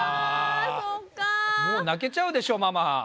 もう泣けちゃうでしょママ。